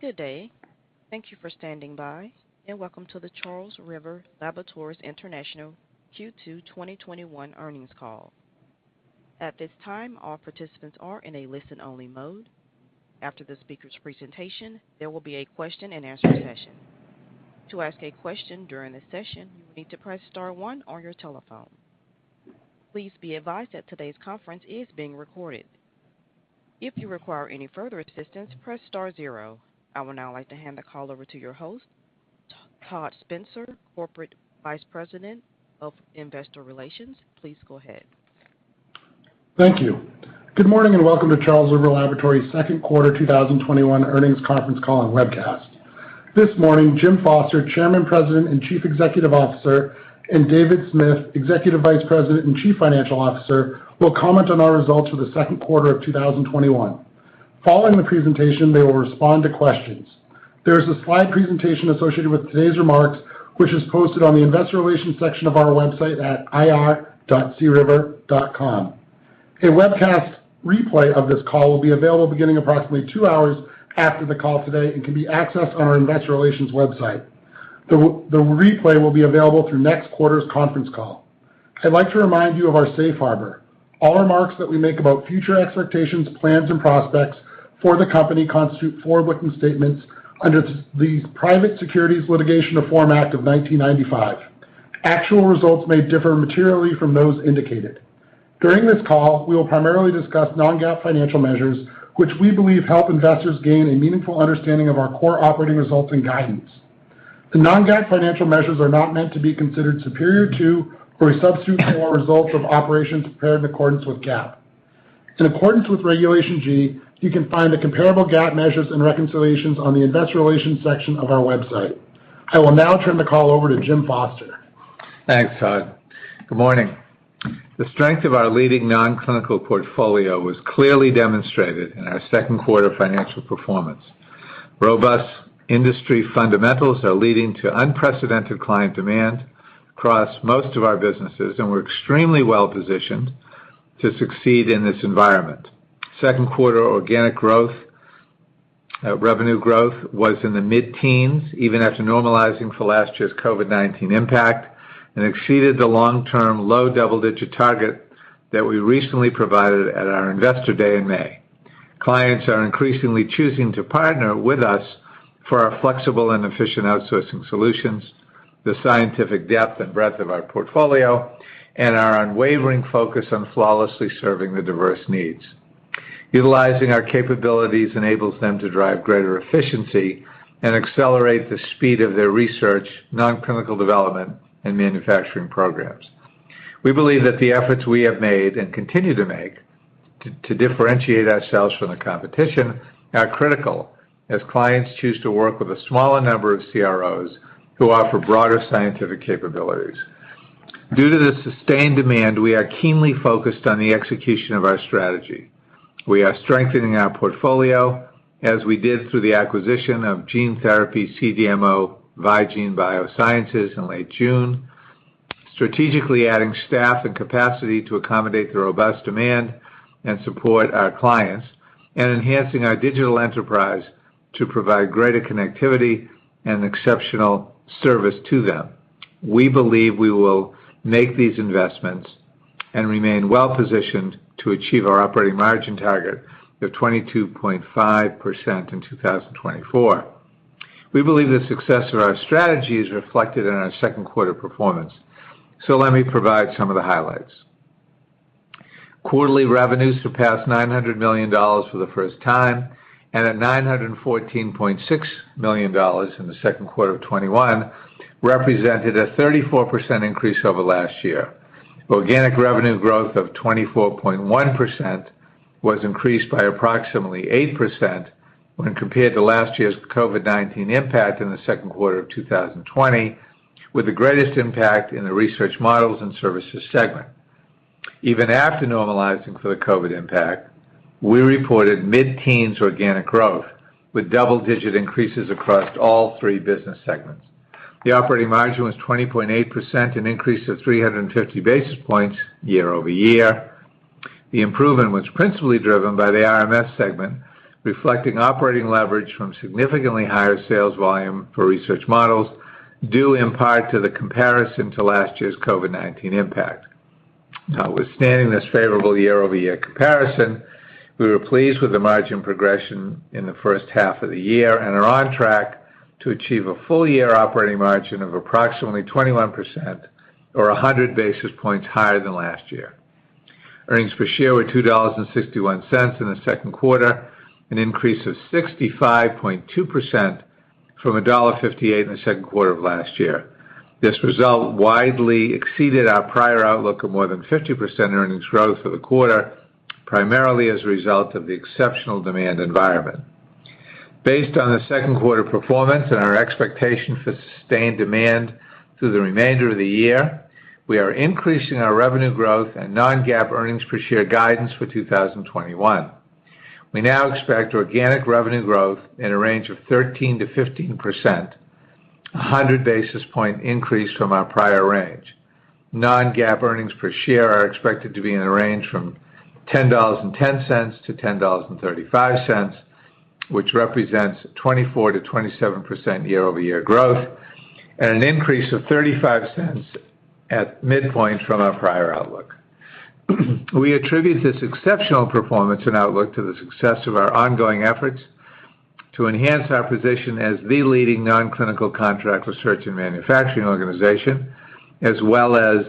Good day. Thank you for standing by, and welcome to the Charles River Laboratories International Q2 2021 earnings call. At this time, all participants are in a listen-only mode. After the speakers' presentation, there will be a question and answer session. To ask a question during the session, you would need to press star one on your telephone. Please be advised that today conference is being recorded. If you require any further assistance, press star zero. I would now like to hand the call over to your host, Todd Spencer, Corporate Vice President of Investor Relations. Please go ahead. Thank you. Good morning, and welcome to Charles River Laboratories' 2Q 2021 Earnings Conference Call and Webcast. This morning, Jim Foster, Chairman, President, and Chief Executive Officer, and David Smith, Executive Vice President and Chief Financial Officer, will comment on our results for the 2Q 2021. Following the presentation, they will respond to questions. There is a slide presentation associated with today's remarks, which is posted on the investor relations section of our website at ir.criver.com. A webcast replay of this call will be available beginning approximately two hours after the call today and can be accessed on our investor relations website. The replay will be available through next quarter's conference call. I'd like to remind you of our safe harbor. All remarks that we make about future expectations, plans, and prospects for the company constitute forward-looking statements under the Private Securities Litigation Reform Act of 1995. Actual results may differ materially from those indicated. During this call, we will primarily discuss non-GAAP financial measures, which we believe help investors gain a meaningful understanding of our core operating results and guidance. The non-GAAP financial measures are not meant to be considered superior to or a substitute for results of operations prepared in accordance with GAAP. In accordance with Regulation G, you can find the comparable GAAP measures and reconciliations on the investor relations section of our website. I will now turn the call over to Jim Foster. Thanks, Todd. Good morning. The strength of our leading non-clinical portfolio was clearly demonstrated in our second quarter financial performance. Robust industry fundamentals are leading to unprecedented client demand across most of our businesses, and we're extremely well-positioned to succeed in this environment. Second quarter organic growth, revenue growth, was in the mid-teens, even after normalizing for last year's COVID-19 impact, and exceeded the long-term low double-digit target that we recently provided at our Investor Day in May. Clients are increasingly choosing to partner with us for our flexible and efficient outsourcing solutions, the scientific depth and breadth of our portfolio, and our unwavering focus on flawlessly serving their diverse needs. Utilizing our capabilities enables them to drive greater efficiency and accelerate the speed of their research, non-clinical development, and manufacturing programs. We believe that the efforts we have made and continue to make to differentiate ourselves from the competition are critical as clients choose to work with a smaller number of CROs who offer broader scientific capabilities. Due to the sustained demand, we are keenly focused on the execution of our strategy. We are strengthening our portfolio as we did through the acquisition of gene therapy CDMO Vigene Biosciences in late June, strategically adding staff and capacity to accommodate the robust demand and support our clients, and enhancing our digital enterprise to provide greater connectivity and exceptional service to them. We believe we will make these investments and remain well-positioned to achieve our operating margin target of 22.5% in 2024. We believe the success of our strategy is reflected in our second quarter performance, so let me provide some of the highlights. Quarterly revenues surpassed $900 million for the first time, and at $914.6 million in the second quarter of 2021, represented a 34% increase over last year. Organic revenue growth of 24.1% was increased by approximately 8% when compared to last year's COVID-19 impact in the second quarter of 2020, with the greatest impact in the Research Models and Services segment. Even after normalizing for the COVID impact, we reported mid-teens organic growth with double-digit increases across all three business segments. The operating margin was 20.8%, an increase of 350 basis points year-over-year. The improvement was principally driven by the RMS segment, reflecting operating leverage from significantly higher sales volume for research models, due in part to the comparison to last year's COVID-19 impact. Notwithstanding this favorable year-over-year comparison, we were pleased with the margin progression in the first half of the year and are on track to achieve a full year operating margin of approximately 21%, or 100 basis points higher than last year. Earnings per share were $2.61 in the second quarter, an increase of 65.2% from $1.58 in the second quarter of last year. This result widely exceeded our prior outlook of more than 50% earnings growth for the quarter, primarily as a result of the exceptional demand environment. Based on the second quarter performance and our expectation for sustained demand through the remainder of the year, we are increasing our revenue growth and non-GAAP earnings per share guidance for 2021. We now expect organic revenue growth in a range of 13%-15%, 100 basis point increase from our prior range. Non-GAAP earnings per share are expected to be in a range from $10.10-$10.35, which represents 24%-27% year-over-year growth and an increase of $0.35 at midpoint from our prior outlook. We attribute this exceptional performance and outlook to the success of our ongoing efforts to enhance our position as the leading non-clinical contract research and manufacturing organization, as well as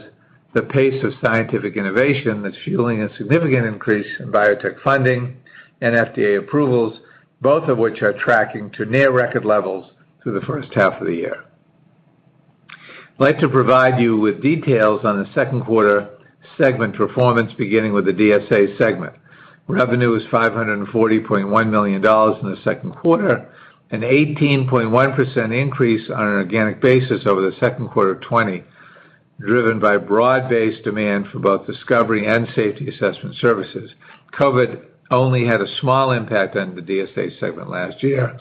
the pace of scientific innovation that's fueling a significant increase in biotech funding and FDA approvals, both of which are tracking to near record levels through the first half of the year. I'd like to provide you with details on the second quarter segment performance, beginning with the DSA segment. Revenue was $540.1 million in the second quarter, an 18.1% increase on an organic basis over the second quarter of 2020, driven by broad-based demand for both discovery and safety assessment services. COVID only had a small impact on the DSA segment last year,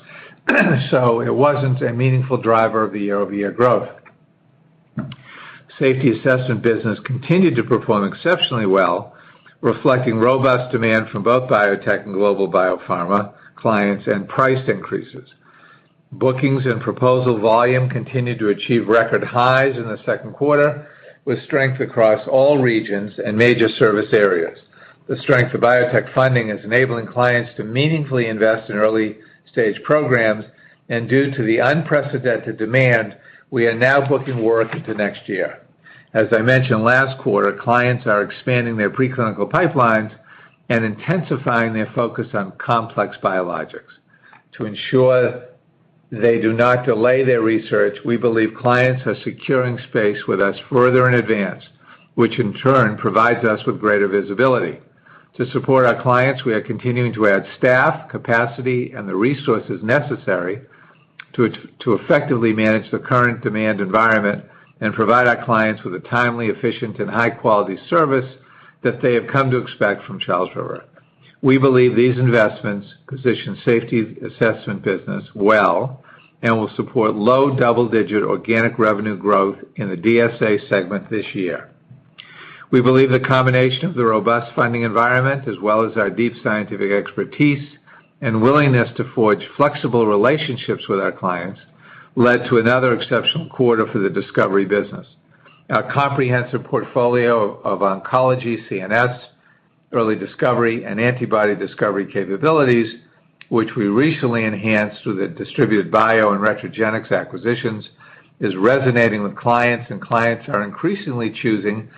so it wasn't a meaningful driver of the year-over-year growth. Safety assessment business continued to perform exceptionally well, reflecting robust demand from both biotech and global biopharma clients and price increases. Bookings and proposal volume continued to achieve record highs in the second quarter, with strength across all regions and major service areas. The strength of biotech funding is enabling clients to meaningfully invest in early-stage programs, and due to the unprecedented demand, we are now booking work into next year. As I mentioned last quarter, clients are expanding their preclinical pipelines and intensifying their focus on complex biologics. To ensure they do not delay their research, we believe clients are securing space with us further in advance, which in turn provides us with greater visibility. To support our clients, we are continuing to add staff, capacity, and the resources necessary to effectively manage the current demand environment and provide our clients with a timely, efficient, and high-quality service that they have come to expect from Charles River. We believe these investments position safety assessment business well and will support low double-digit organic revenue growth in the DSA segment this year. We believe the combination of the robust funding environment, as well as our deep scientific expertise and willingness to forge flexible relationships with our clients, led to another exceptional quarter for the discovery business. Our comprehensive portfolio of oncology, CNS, early discovery, and antibody discovery capabilities, which we recently enhanced through the Distributed Bio and Retrogenix acquisitions, is resonating with clients, and clients are increasingly choosing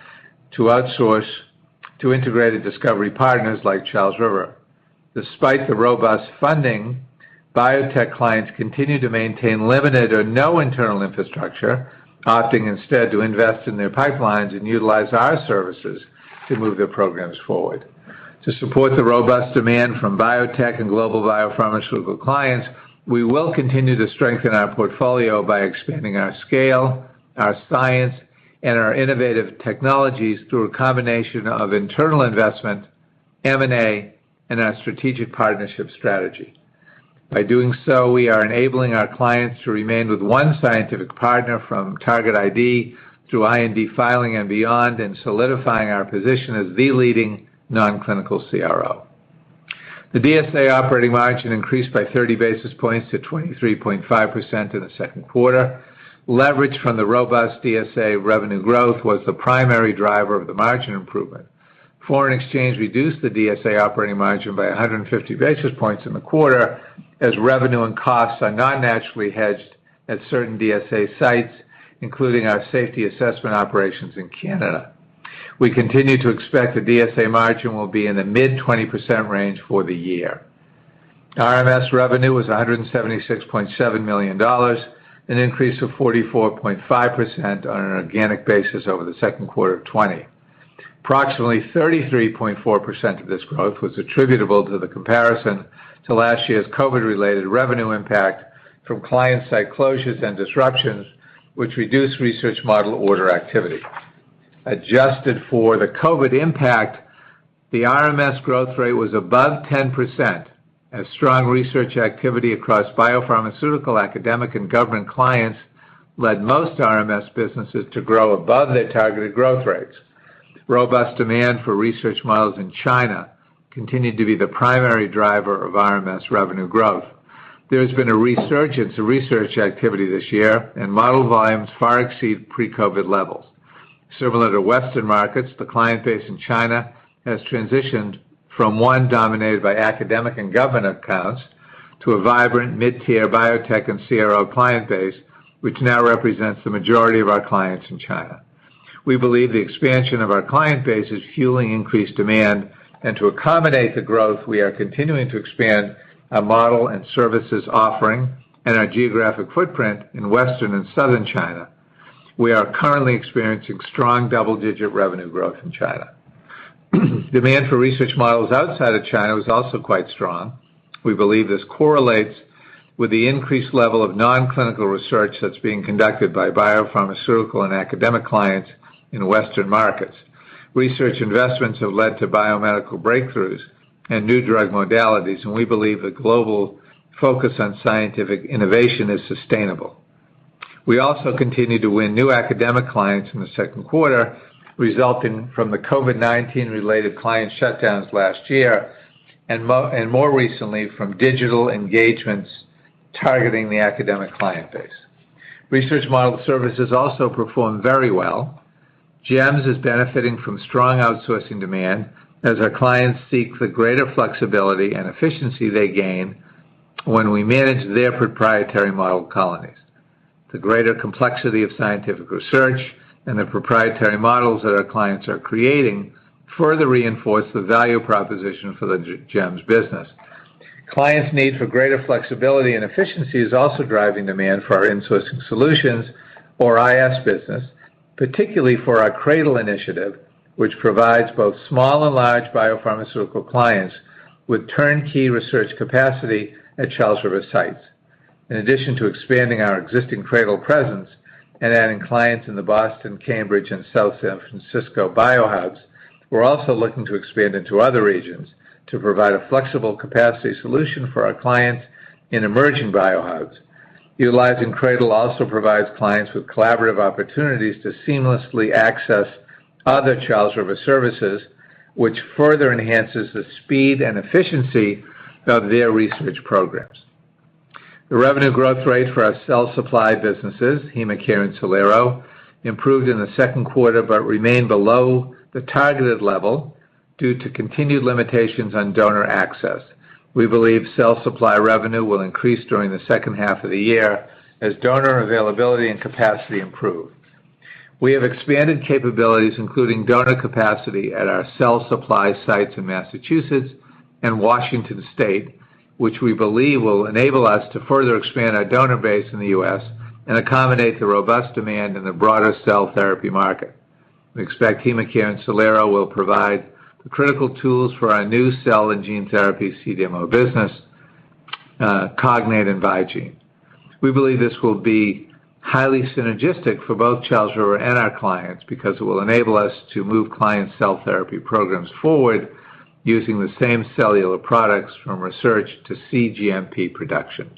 to outsource to integrated discovery partners like Charles River. Despite the robust funding, biotech clients continue to maintain limited or no internal infrastructure, opting instead to invest in their pipelines and utilize our services to move their programs forward. To support the robust demand from biotech and global biopharmaceutical clients, we will continue to strengthen our portfolio by expanding our scale, our science, and our innovative technologies through a combination of internal investment, M&A, and our strategic partnership strategy. By doing so, we are enabling our clients to remain with one scientific partner from target ID through IND filing and beyond, and solidifying our position as the leading non-clinical CRO. The DSA operating margin increased by 30 basis points to 23.5% in the second quarter. Leverage from the robust DSA revenue growth was the primary driver of the margin improvement. Foreign exchange reduced the DSA operating margin by 150 basis points in the quarter, as revenue and costs are not naturally hedged at certain DSA sites, including our safety assessment operations in Canada. We continue to expect the DSA margin will be in the mid-20% range for the year. RMS revenue was $176.7 million, an increase of 44.5% on an organic basis over the second quarter of 2020. Approximately 33.4% of this growth was attributable to the comparison to last year's COVID-related revenue impact from client site closures and disruptions, which reduced research model order activity. Adjusted for the COVID impact, the RMS growth rate was above 10%, as strong research activity across biopharmaceutical, academic, and government clients led most RMS businesses to grow above their targeted growth rates. Robust demand for research models in China continued to be the primary driver of RMS revenue growth. There has been a resurgence in research activity this year, and model volumes far exceed pre-COVID-19 levels. Similar to Western markets, the client base in China has transitioned from one dominated by academic and government accounts to a vibrant mid-tier biotech and CRO client base, which now represents the majority of our clients in China. We believe the expansion of our client base is fueling increased demand, and to accommodate the growth, we are continuing to expand our model and services offering and our geographic footprint in Western and Southern China. We are currently experiencing strong double-digit revenue growth in China. Demand for research models outside of China was also quite strong. We believe this correlates with the increased level of non-clinical research that's being conducted by biopharmaceutical and academic clients in Western markets. Research investments have led to biomedical breakthroughs and new drug modalities, and we believe the global focus on scientific innovation is sustainable. We also continued to win new academic clients in the second quarter, resulting from the COVID-19 related client shutdowns last year, and more recently, from digital engagements targeting the academic client base. Research model services also performed very well. GEMs is benefiting from strong outsourcing demand as our clients seek the greater flexibility and efficiency they gain when we manage their proprietary model colonies. The greater complexity of scientific research and the proprietary models that our clients are creating further reinforce the value proposition for the GEMs business. Clients' need for greater flexibility and efficiency is also driving demand for our insourcing solutions, or IS business, particularly for our CRADL initiative, which provides both small and large biopharmaceutical clients with turnkey research capacity at Charles River sites. In addition to expanding our existing CRADL presence and adding clients in the Boston, Cambridge, and South San Francisco biohubs, we're also looking to expand into other regions to provide a flexible capacity solution for our clients in emerging biohubs. Utilizing CRADL also provides clients with collaborative opportunities to seamlessly access other Charles River services, which further enhances the speed and efficiency of their research programs. The revenue growth rate for our cell supply businesses, HemaCare and Cellero, improved in the second quarter, but remained below the targeted level due to continued limitations on donor access. We believe cell supply revenue will increase during the second half of the year as donor availability and capacity improve. We have expanded capabilities, including donor capacity at our cell supply sites in Massachusetts and Washington State, which we believe will enable us to further expand our donor base in the U.S. and accommodate the robust demand in the broader cell therapy market. We expect HemaCare and Cellero will provide the critical tools for our new cell and gene therapy CDMO business, Cognate and Vigene. We believe this will be highly synergistic for both Charles River and our clients because it will enable us to move clients' cell therapy programs forward using the same cellular products from research to cGMP production.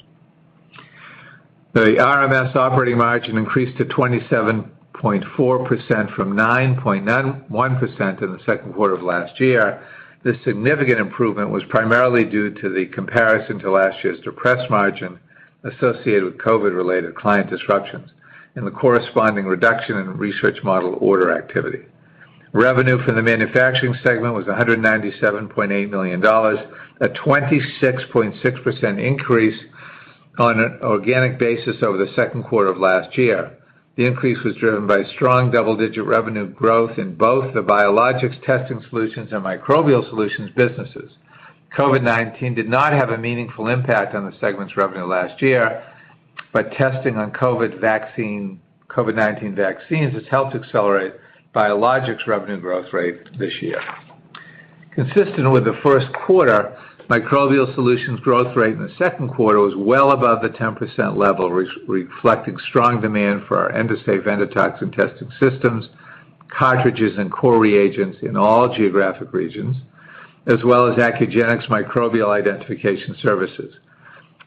The RMS operating margin increased to 27.4% from 9.1% in the second quarter of last year. This significant improvement was primarily due to the comparison to last year's depressed margin associated with COVID-related client disruptions and the corresponding reduction in research model order activity. Revenue from the manufacturing segment was $197.8 million, a 26.6% increase on an organic basis over the second quarter of last year. The increase was driven by strong double-digit revenue growth in both the Biologics Testing Solutions and Microbial Solutions businesses. COVID-19 did not have a meaningful impact on the segment's revenue last year, but testing on COVID-19 vaccines has helped accelerate Biologics revenue growth rate this year. Consistent with the first quarter, Microbial Solutions growth rate in the second quarter was well above the 10% level, reflecting strong demand for our Endosafe endotoxin testing systems, cartridges, and core reagents in all geographic regions, as well as Accugenix microbial identification services.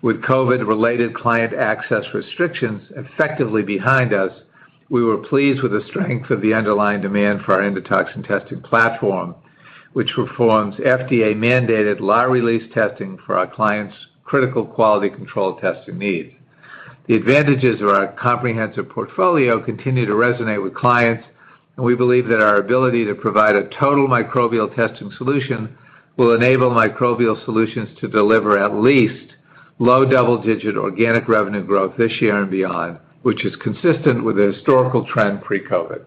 With COVID-related client access restrictions effectively behind us, we were pleased with the strength of the underlying demand for our endotoxin testing platform, which performs FDA-mandated lot release testing for our clients' critical quality control testing needs. The advantages of our comprehensive portfolio continue to resonate with clients, and we believe that our ability to provide a total microbial testing solution will enable Microbial Solutions to deliver at least low double-digit organic revenue growth this year and beyond, which is consistent with the historical trend pre-COVID.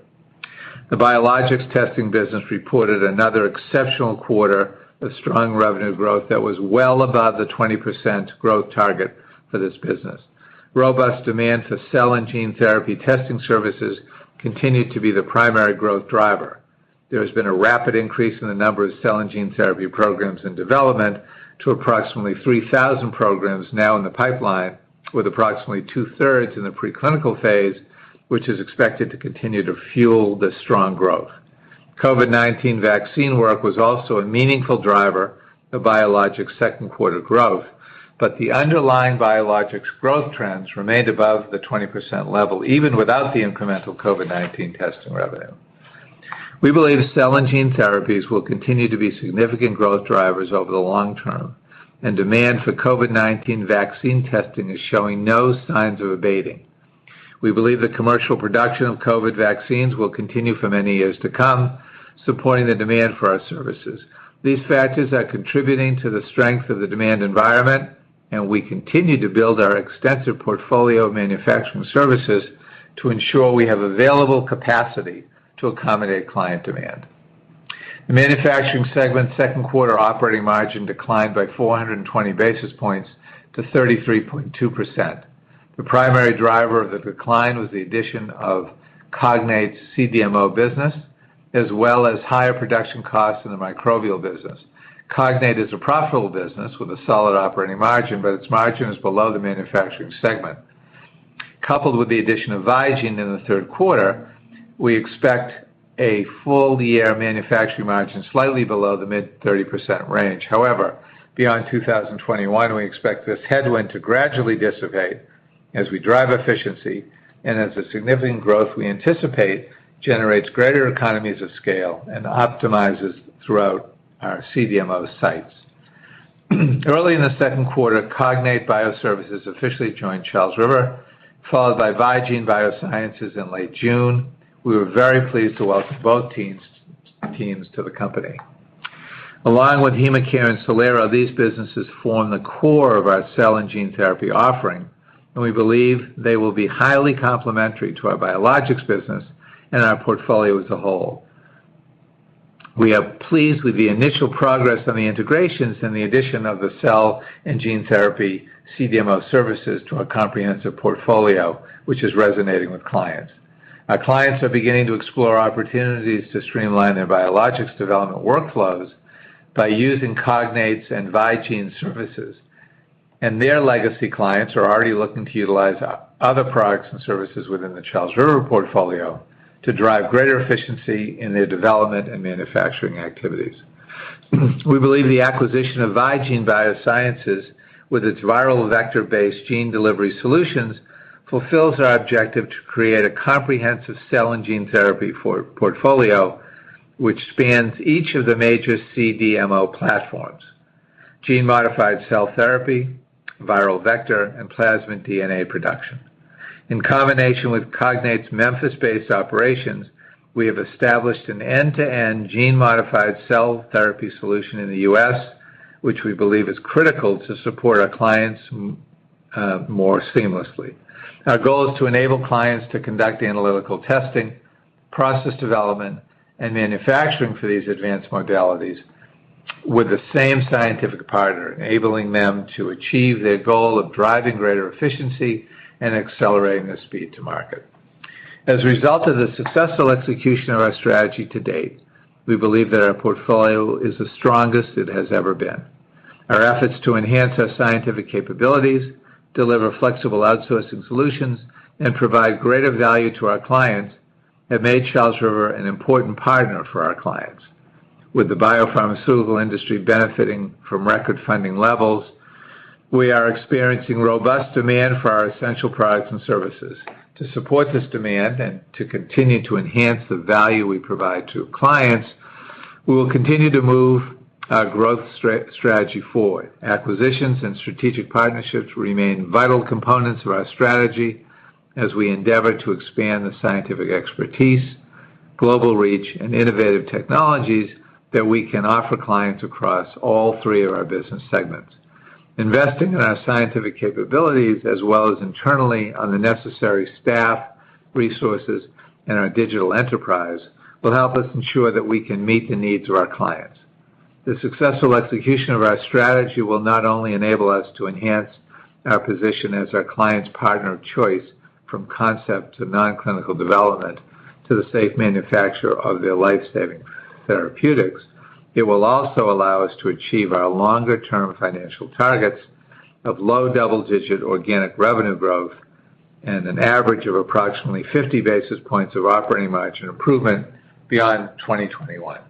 The Biologics testing business reported another exceptional quarter of strong revenue growth that was well above the 20% growth target for this business. Robust demand for cell and gene therapy testing services continued to be the primary growth driver. There has been a rapid increase in the number of cell and gene therapy programs in development to approximately 3,000 programs now in the pipeline, with approximately two-thirds in the pre-clinical phase, which is expected to continue to fuel the strong growth. COVID-19 vaccine work was also a meaningful driver of Biologics' second quarter growth, but the underlying Biologics growth trends remained above the 20% level, even without the incremental COVID-19 testing revenue. We believe cell and gene therapies will continue to be significant growth drivers over the long term, and demand for COVID-19 vaccine testing is showing no signs of abating. We believe the commercial production of COVID vaccines will continue for many years to come, supporting the demand for our services. These factors are contributing to the strength of the demand environment, and we continue to build our extensive portfolio of manufacturing services to ensure we have available capacity to accommodate client demand. The manufacturing segment's second quarter operating margin declined by 420 basis points to 33.2%. The primary driver of the decline was the addition of Cognate's CDMO business, as well as higher production costs in the Microbial business. Cognate is a profitable business with a solid operating margin, but its margin is below the manufacturing segment. Coupled with the addition of Vigene in the third quarter, we expect a full year manufacturing margin slightly below the mid 30% range. However, beyond 2021, we expect this headwind to gradually dissipate as we drive efficiency and as the significant growth we anticipate generates greater economies of scale and optimizes throughout our CDMO sites. Early in the second quarter, Cognate BioServices officially joined Charles River, followed by Vigene Biosciences in late June. We were very pleased to welcome both teams to the company. Along with HemaCare and Cellero, these businesses form the core of our cell and gene therapy offering, and we believe they will be highly complementary to our biologics business and our portfolio as a whole. We are pleased with the initial progress on the integrations and the addition of the cell and gene therapy CDMO services to our comprehensive portfolio, which is resonating with clients. Our clients are beginning to explore opportunities to streamline their biologics development workflows by using Cognate's and Vigene's services, and their legacy clients are already looking to utilize other products and services within the Charles River portfolio to drive greater efficiency in their development and manufacturing activities. We believe the acquisition of Vigene Biosciences, with its viral vector-based gene delivery solutions, fulfills our objective to create a comprehensive cell and gene therapy portfolio which spans each of the major CDMO platforms: gene-modified cell therapy, viral vector, and plasmid DNA production. In combination with Cognate's Memphis-based operations, we have established an end-to-end gene-modified cell therapy solution in the U.S., which we believe is critical to support our clients more seamlessly. Our goal is to enable clients to conduct analytical testing, process development, and manufacturing for these advanced modalities with the same scientific partner, enabling them to achieve their goal of driving greater efficiency and accelerating their speed to market. As a result of the successful execution of our strategy to date, we believe that our portfolio is the strongest it has ever been. Our efforts to enhance our scientific capabilities, deliver flexible outsourcing solutions, and provide greater value to our clients have made Charles River an important partner for our clients. With the biopharmaceutical industry benefiting from record funding levels, we are experiencing robust demand for our essential products and services. To support this demand and to continue to enhance the value we provide to clients, we will continue to move our growth strategy forward. Acquisitions and strategic partnerships remain vital components of our strategy as we endeavor to expand the scientific expertise, global reach, and innovative technologies that we can offer clients across all three of our business segments. Investing in our scientific capabilities as well as internally on the necessary staff, resources, and our digital enterprise will help us ensure that we can meet the needs of our clients. The successful execution of our strategy will not only enable us to enhance our position as our client's partner of choice from concept to non-clinical development to the safe manufacture of their life-saving therapeutics, it will also allow us to achieve our longer-term financial targets of low double-digit organic revenue growth and an average of approximately 50 basis points of operating margin improvement beyond 2021.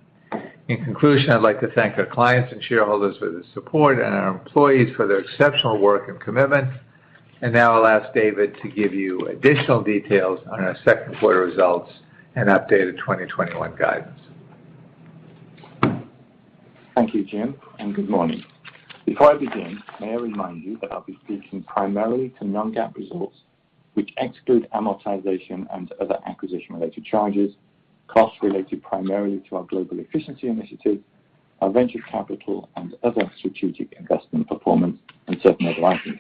In conclusion, I'd like to thank our clients and shareholders for their support and our employees for their exceptional work and commitment. Now I'll ask David to give you additional details on our second quarter results and updated 2021 guidance. Thank you, Jim, and good morning. Before I begin, may I remind you that I will be speaking primarily to non-GAAP results which exclude amortization and other acquisition-related charges, costs related primarily to our global efficiency initiative, our venture capital, and other strategic investment performance, and certain other items.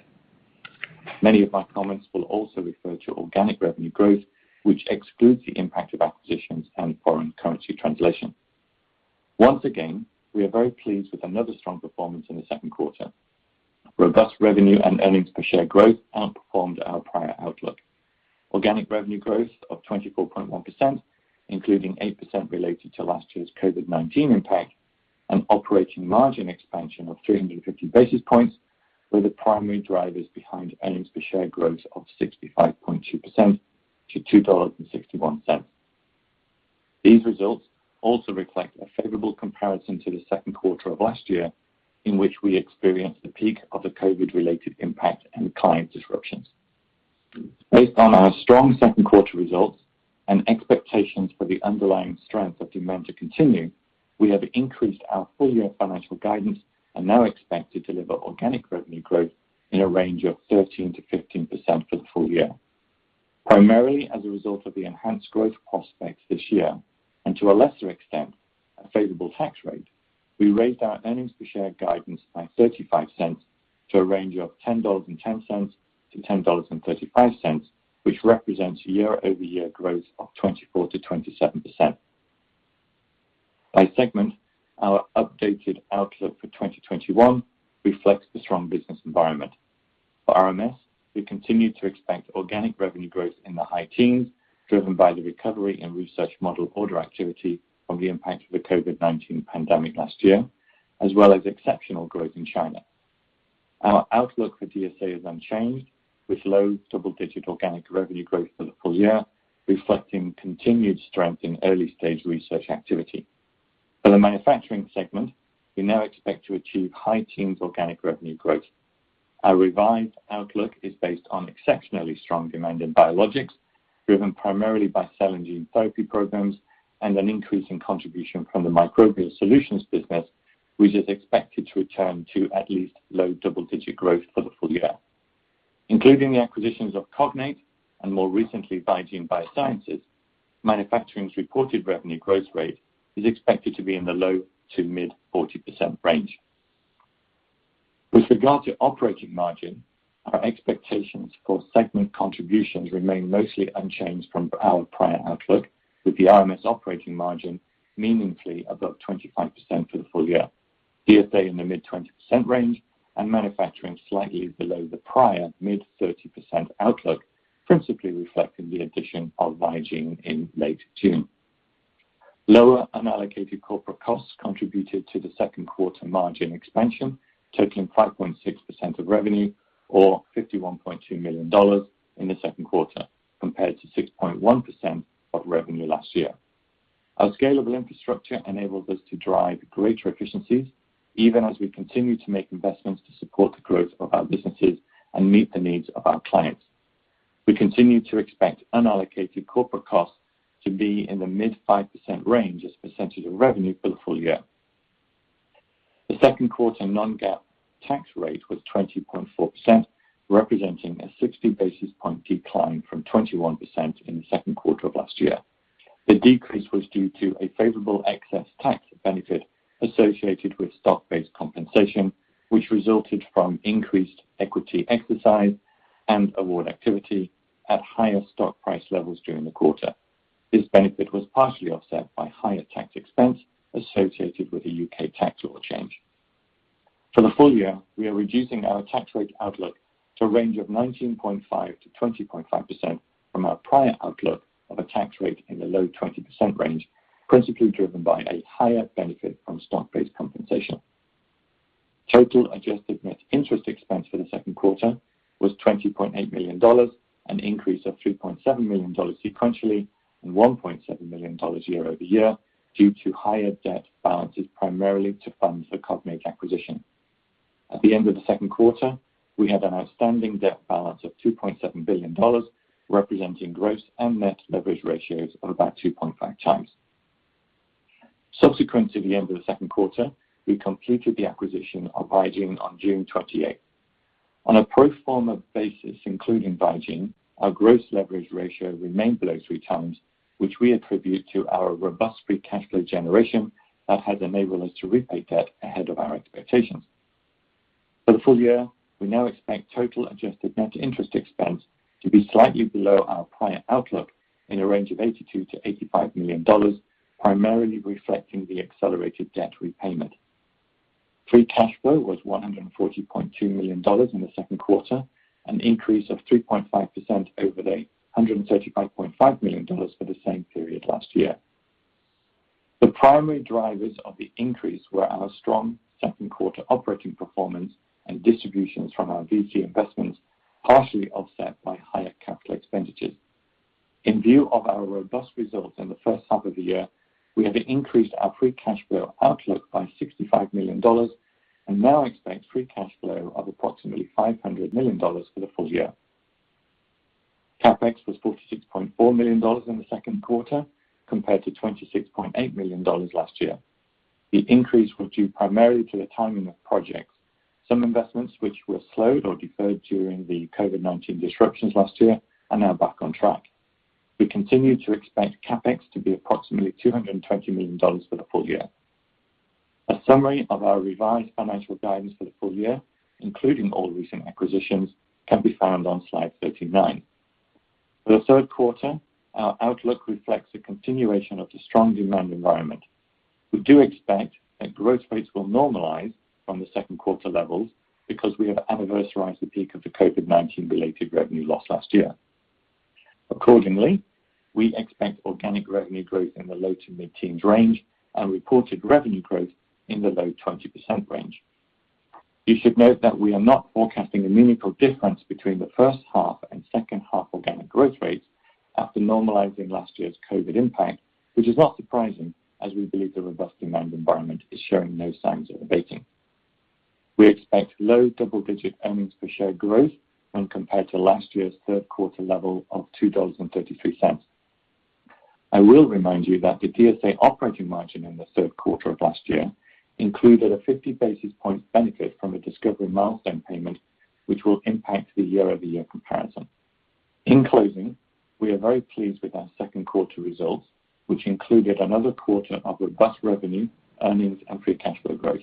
Many of my comments will also refer to organic revenue growth, which excludes the impact of acquisitions and foreign currency translation. Once again, we are very pleased with another strong performance in the second quarter. Robust revenue and earnings per share growth outperformed our prior outlook. Organic revenue growth of 24.1%, including 8% related to last year's COVID-19 impact, and operating margin expansion of 350 basis points were the primary drivers behind earnings per share growth of 65.2% to $2.61. These results also reflect a favorable comparison to the second quarter of last year, in which we experienced the peak of the COVID-related impact and client disruptions. Based on our strong second quarter results and expectations for the underlying strength of demand to continue, we have increased our full-year financial guidance and now expect to deliver organic revenue growth in a range of 13%-15% for the full year. Primarily as a result of the enhanced growth prospects this year, and to a lesser extent, a favorable tax rate, we raised our earnings per share guidance by $0.35 to a range of $10.10-$10.35, which represents a year-over-year growth of 24%-27%. By segment, our updated outlook for 2021 reflects the strong business environment. For RMS, we continue to expect organic revenue growth in the high teens, driven by the recovery in research model order activity from the impact of the COVID-19 pandemic last year. As well as exceptional growth in China. Our outlook for DSA is unchanged, with low double-digit organic revenue growth for the full year, reflecting continued strength in early-stage research activity. For the manufacturing segment, we now expect to achieve high teens organic revenue growth. Our revised outlook is based on exceptionally strong demand in biologics, driven primarily by cell and gene therapy programs and an increasing contribution from the Microbial Solutions business, which is expected to return to at least low double-digit growth for the full year. Including the acquisitions of Cognate and more recently, Vigene Biosciences, manufacturing's reported revenue growth rate is expected to be in the low to mid 40% range. With regard to operating margin, our expectations for segment contributions remain mostly unchanged from our prior outlook, with the RMS operating margin meaningfully above 25% for the full year, DSA in the mid 20% range, and manufacturing slightly below the prior mid 30% outlook, principally reflecting the addition of Vigene in late June. Lower unallocated corporate costs contributed to the second quarter margin expansion, totaling 5.6% of revenue or $51.2 million in the second quarter, compared to 6.1% of revenue last year. Our scalable infrastructure enables us to drive greater efficiencies, even as we continue to make investments to support the growth of our businesses and meet the needs of our clients. We continue to expect unallocated corporate costs to be in the mid 5% range as a percentage of revenue for the full year. The second quarter non-GAAP tax rate was 20.4%, representing a 60-basis point decline from 21% in the second quarter of last year. The decrease was due to a favorable excess tax benefit associated with stock-based compensation, which resulted from increased equity exercise and award activity at higher stock price levels during the quarter. This benefit was partially offset by higher tax expense associated with the U.K. tax law change. For the full year, we are reducing our tax rate outlook to a range of 19.5%-20.5% from our prior outlook of a tax rate in the low 20% range, principally driven by a higher benefit from stock-based compensation. Total adjusted net interest expense for the second quarter was $20.8 million, an increase of $3.7 million sequentially and $1.7 million year-over-year, due to higher debt balances primarily to fund the Cognate acquisition. At the end of the second quarter, we had an outstanding debt balance of $2.7 billion, representing gross and net leverage ratios of about 2.5 times. Subsequent to the end of the second quarter, we completed the acquisition of Vigene on June 28th. On a pro forma basis, including Vigene, our gross leverage ratio remained below 3 times, which we attribute to our robust free cash flow generation that has enabled us to repay debt ahead of our expectations. For the full year, we now expect total adjusted net interest expense to be slightly below our prior outlook in a range of $82 million-$85 million, primarily reflecting the accelerated debt repayment. Free cash flow was $140.2 million in the second quarter, an increase of 3.5% over the $135.5 million for the same period last year. The primary drivers of the increase were our strong second quarter operating performance and distributions from our VC investments, partially offset by higher capital expenditures. In view of our robust results in the first half of the year, we have increased our free cash flow outlook by $65 million and now expect free cash flow of approximately $500 million for the full year. CapEx was $46.4 million in the second quarter, compared to $26.8 million last year. The increase was due primarily to the timing of projects. Some investments which were slowed or deferred during the COVID-19 disruptions last year are now back on track. We continue to expect CapEx to be approximately $220 million for the full year. A summary of our revised financial guidance for the full year, including all recent acquisitions, can be found on slide 39. For the third quarter, our outlook reflects a continuation of the strong demand environment. We do expect that growth rates will normalize from the second quarter levels because we have anniversarized the peak of the COVID-19-related revenue loss last year. Accordingly, we expect organic revenue growth in the low to mid-teens range and reported revenue growth in the low 20% range. You should note that we are not forecasting a meaningful difference between the first half and second half organic growth rates after normalizing last year's COVID impact, which is not surprising, as we believe the robust demand environment is showing no signs of abating. We expect low double-digit earnings per share growth when compared to last year's third quarter level of $2.33. I will remind you that the DSA operating margin in the third quarter of last year included a 50-basis point benefit from a discovery milestone payment, which will impact the year-over-year comparison. In closing, we are very pleased with our second quarter results, which included another quarter of robust revenue, earnings, and free cash flow growth.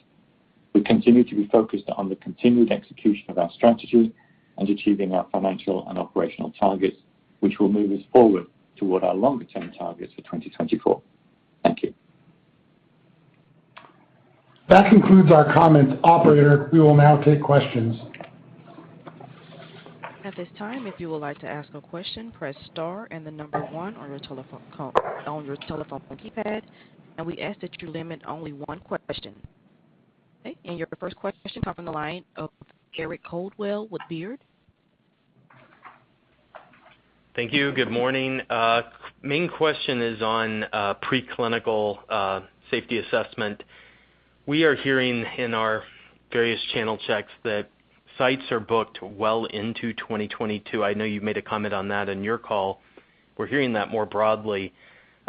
We continue to be focused on the continued execution of our strategy and achieving our financial and operational targets, which will move us forward toward our longer-term targets for 2024. Thank you. That concludes our comments. Operator, we will now take questions. At this time, if you would like to ask a question, press star and the number one on your telephone keypad. We ask that you limit only one question. Okay, your first question comes from the line of Eric Coldwell with Baird. Thank you. Good morning. Main question is on preclinical safety assessment. We are hearing in our various channel checks that sites are booked well into 2022. I know you've made a comment on that in your call. We're hearing that more broadly.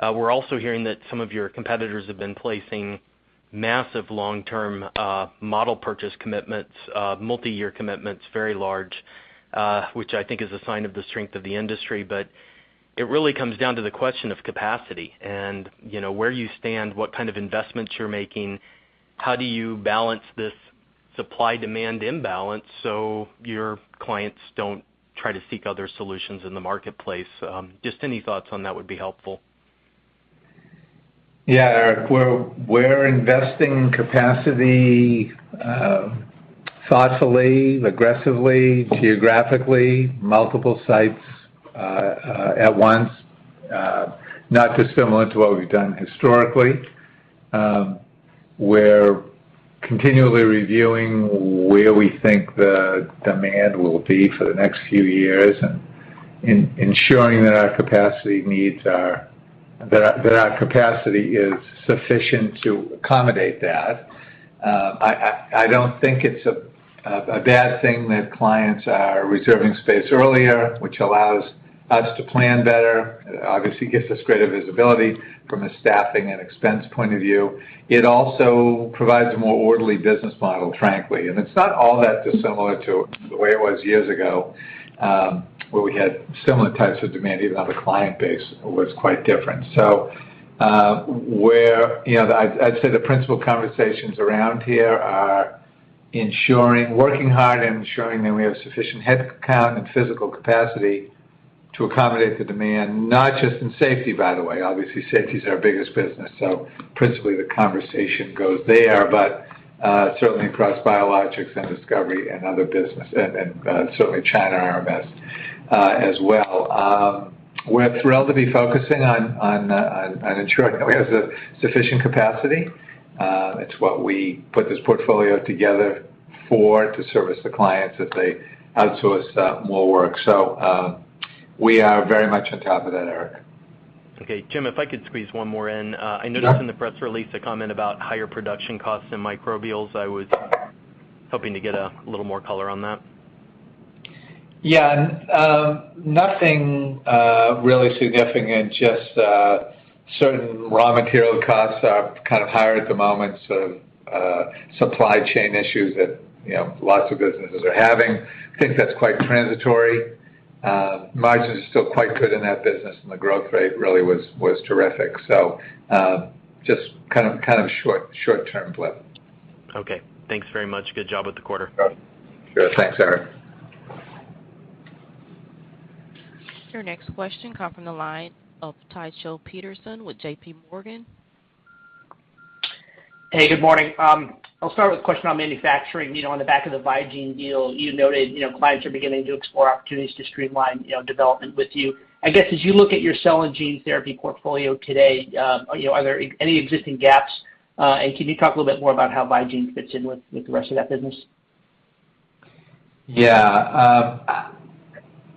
We're also hearing that some of your competitors have been placing massive long-term model purchase commitments, multi-year commitments, very large, which I think is a sign of the strength of the industry. It really comes down to the question of capacity and where you stand, what kind of investments you're making, how do you balance this supply-demand imbalance so your clients don't try to seek other solutions in the marketplace? Just any thoughts on that would be helpful. Eric, we're investing in capacity thoughtfully, aggressively, geographically, multiple sites at once. Not dissimilar to what we've done historically. We're continually reviewing where we think the demand will be for the next few years and ensuring that our capacity is sufficient to accommodate that. I don't think it's a bad thing that clients are reserving space earlier, which allows us to plan better, obviously gives us greater visibility from a staffing and expense point of view. It also provides a more orderly business model, frankly. It's not all that dissimilar to the way it was years ago, where we had similar types of demand, even though the client base was quite different. I'd say the principal conversations around here are working hard and ensuring that we have sufficient headcount and physical capacity to accommodate the demand, not just in safety, by the way. Obviously, safety is our biggest business, principally the conversation goes there, but certainly across biologics and discovery and other business, and certainly China RMS as well. We're thrilled to be focusing on ensuring that we have the sufficient capacity. It's what we put this portfolio together for, to service the clients as they outsource more work. We are very much on top of that, Eric. Okay. Jim, if I could squeeze one more in. Yeah. I noticed in the press release a comment about higher production costs in microbials. I was hoping to get a little more color on that. Yeah. Nothing really significant. Just certain raw material costs are kind of higher at the moment. Some supply chain issues that lots of businesses are having. I think that's quite transitory. Margins are still quite good in that business and the growth rate really was terrific. Just kind of a short-term blip. Okay. Thanks very much. Good job with the quarter. Sure. Thanks, Eric. Your next question comes from the line of Tycho Peterson with J.P. Morgan. Hey, good morning. I'll start with a question on manufacturing. On the back of the Vigene deal, you noted clients are beginning to explore opportunities to streamline development with you. I guess as you look at your cell and gene therapy portfolio today, are there any existing gaps? Can you talk a little bit more about how Vigene fits in with the rest of that business? Yeah.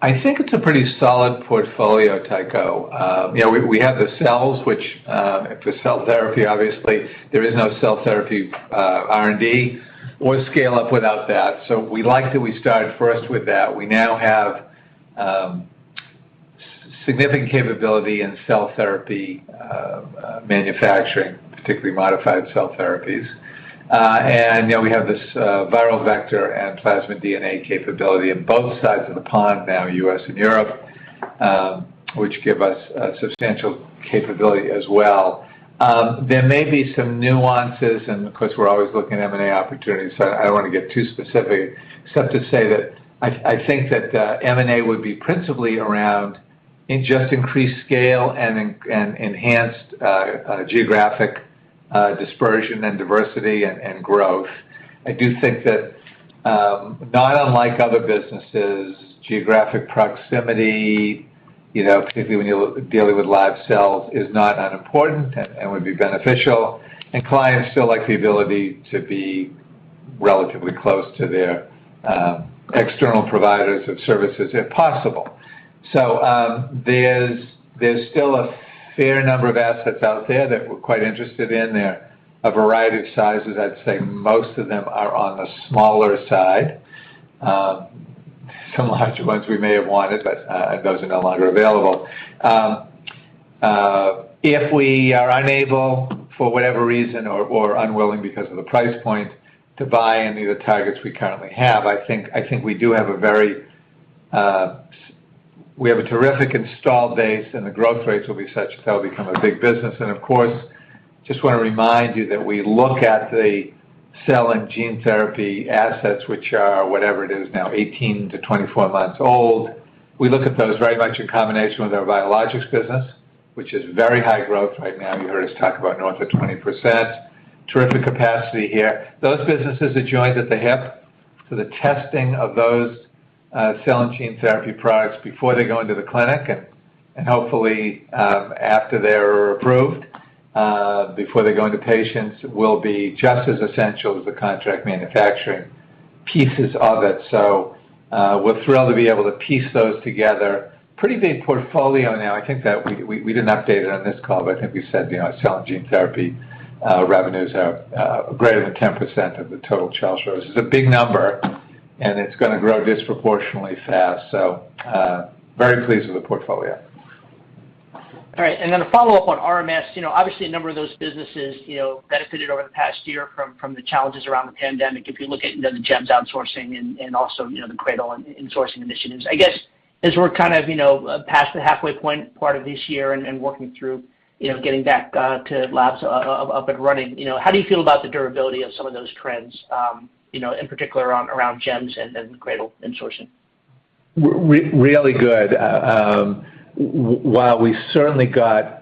I think it's a pretty solid portfolio, Tycho. We have the cells, which for cell therapy, obviously, there is no cell therapy R&D or scale-up without that. We like that we started first with that. We now have significant capability in cell therapy manufacturing, particularly modified cell therapies. We have this viral vector and plasmid DNA capability in both sides of the pond now, U.S. and Europe, which give us a substantial capability as well. There may be some nuances, and of course, we're always looking at M&A opportunities. I don't want to get too specific, except to say that I think that M&A would be principally around in just increased scale and enhanced geographic dispersion and diversity and growth. I do think that, not unlike other businesses, geographic proximity, particularly when you're dealing with live cells, is not unimportant and would be beneficial, and clients still like the ability to be relatively close to their external providers of services if possible. There's still a fair number of assets out there that we're quite interested in. They're a variety of sizes. I'd say most of them are on the smaller side. Some larger ones we may have wanted, those are no longer available. If we are unable, for whatever reason, or unwilling because of the price point, to buy any of the targets we currently have, I think we have a terrific install base and the growth rates will be such that that'll become a big business. Of course, just want to remind you that we look at the cell and gene therapy assets, which are, whatever it is now, 18-24 months old. We look at those very much in combination with our biologics business, which is very high growth right now. You heard us talk about north of 20%. Terrific capacity here. Those businesses are joined at the hip for the testing of those cell and gene therapy products before they go into the clinic, and hopefully after they're approved, before they go into patients will be just as essential as the contract manufacturing pieces of it. We're thrilled to be able to piece those together. Pretty big portfolio now. We didn't update it on this call, but I think we said cell and gene therapy revenues are greater than 10% of the total Charles River. This is a big number and it's going to grow disproportionately fast. Very pleased with the portfolio. All right. Then a follow-up on RMS. Obviously a number of those businesses benefited over the past year from the challenges around the pandemic. If you look at the GEMs outsourcing and also the CRADL and insourcing initiatives. I guess, as we're past the halfway point part of this year and working through getting back to labs up and running, how do you feel about the durability of some of those trends, in particular around GEMs and CRADL insourcing? Really good. While we certainly got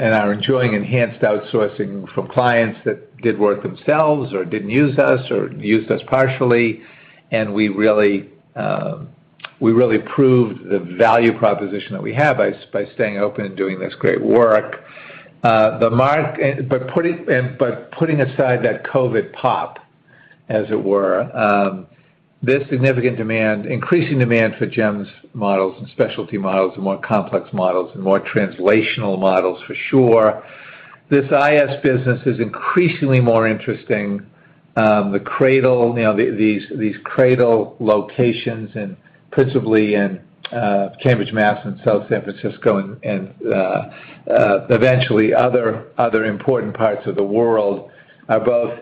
and are enjoying enhanced outsourcing from clients that did work themselves or didn't use us or used us partially, we really proved the value proposition that we have by staying open and doing this great work. Putting aside that COVID pop, as it were, this significant demand, increasing demand for GEMs models and specialty models and more complex models and more translational models, for sure. This IS business is increasingly more interesting. These CRADL locations and principally in Cambridge, Mass. and South San Francisco and eventually other important parts of the world, are both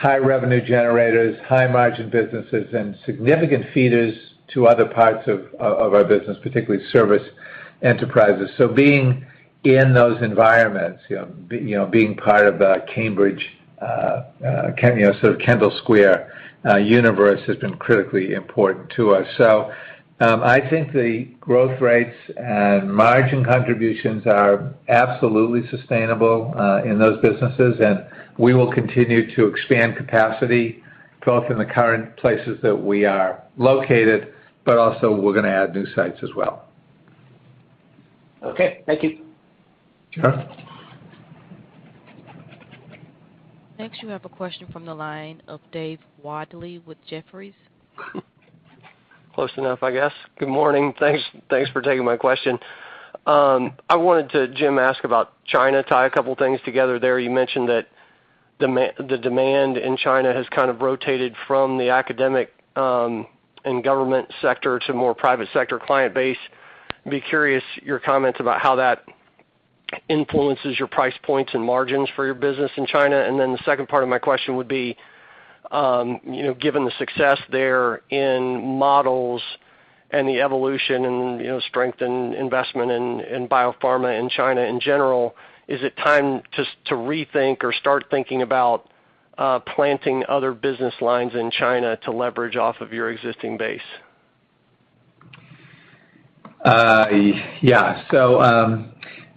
high revenue generators, high margin businesses, and significant feeders to other parts of our business, particularly service enterprises. Being in those environments, being part of the Cambridge sort of Kendall Square universe has been critically important to us. I think the growth rates and margin contributions are absolutely sustainable in those businesses and we will continue to expand capacity both in the current places that we are located, but also we're going to add new sites as well. Okay. Thank you. Sure. Next, you have a question from the line of Dave Windley with Jefferies. Close enough, I guess. Good morning. Thanks for taking my question. I wanted to, Jim, ask about China, tie a couple things together there. You mentioned that the demand in China has kind of rotated from the academic and government sector to more private sector client base. I'd be curious your comments about how that influences your price points and margins for your business in China? The second part of my question would be, given the success there in models and the evolution and strength in investment in biopharma in China in general, is it time to rethink or start thinking about planting other business lines in China to leverage off of your existing base?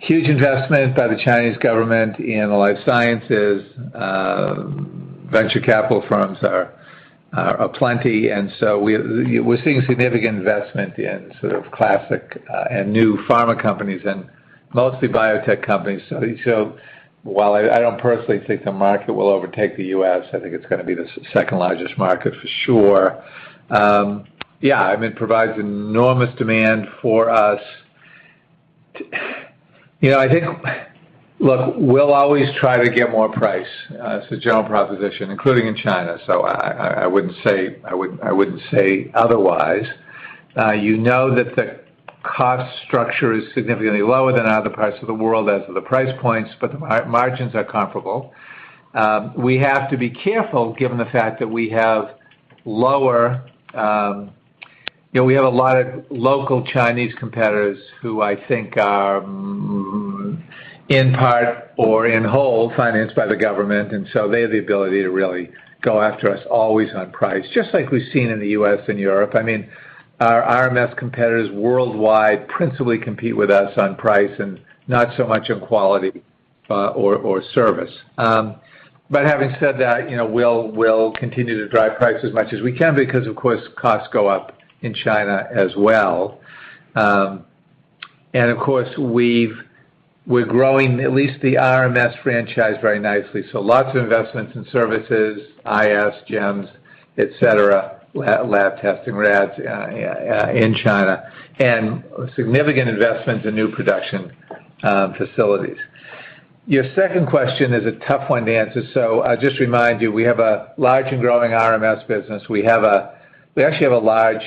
Huge investment by the Chinese government in the life sciences. Venture capital firms are aplenty, we're seeing significant investment in sort of classic and new pharma companies and mostly biotech companies. While I don't personally think the market will overtake the U.S., I think it's going to be the second largest market for sure. It provides enormous demand for us. Look, we'll always try to get more price as a general proposition, including in China. I wouldn't say otherwise. You know that the cost structure is significantly lower than other parts of the world as are the price points, but the margins are comparable. We have to be careful given the fact that we have a lot of local Chinese competitors who I think are in part or in whole financed by the government, and so they have the ability to really go after us always on price, just like we've seen in the U.S. and Europe. Our RMS competitors worldwide principally compete with us on price and not so much on quality or service. Having said that, we'll continue to drive price as much as we can because, of course, costs go up in China as well. Of course, we're growing at least the RMS franchise very nicely. Lots of investments in services, IS, GEMs, et cetera, lab testing labs in China, and significant investments in new production facilities. Your second question is a tough one to answer. I'll just remind you, we have a large and growing RMS business. We actually have a large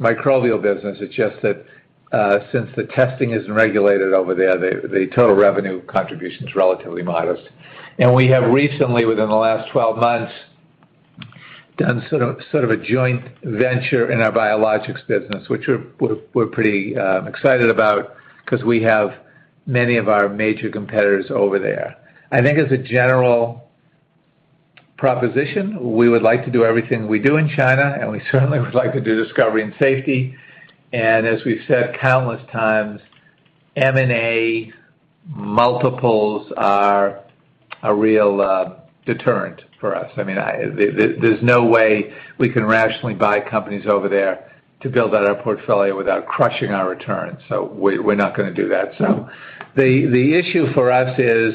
microbial business. It's just that since the testing isn't regulated over there, the total revenue contribution is relatively modest. We have recently, within the last 12 months, done sort of a joint venture in our biologics business, which we're pretty excited about because we have many of our major competitors over there. I think as a general proposition, we would like to do everything we do in China, and we certainly would like to do discovery and safety. As we've said countless times, M&A multiples are a real deterrent for us. There's no way we can rationally buy companies over there to build out our portfolio without crushing our returns. We're not going to do that. The issue for us is,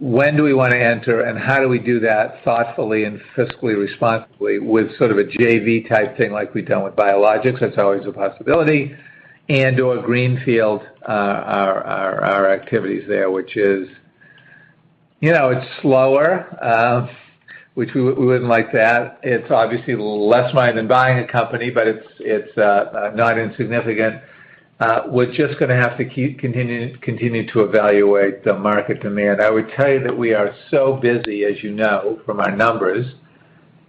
when do we want to enter, and how do we do that thoughtfully and fiscally responsibly with sort of a JV type thing like we've done with biologics, that's always a possibility, and/or greenfield our activities there, which is slower, which we wouldn't like that. It's obviously a little less money than buying a company, but it's not insignificant. We're just going to have to keep continuing to evaluate the market demand. I would tell you that we are so busy, as you know from our numbers